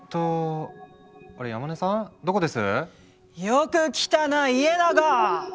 よく来たな家長。